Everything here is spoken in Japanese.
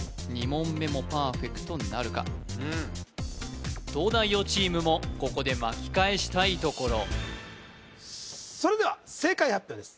２問目もパーフェクトなるか東大王チームもここで巻き返したいところそれでは正解発表です